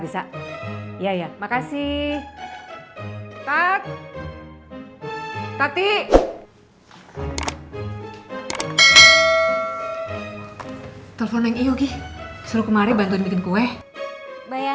sampai jumpa di video selanjutnya